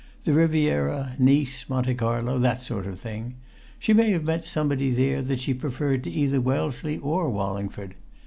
"The Riviera, Nice, Monte Carlo that sort of thing. She may have met somebody there that she preferred to either Wellesley or Wallingford.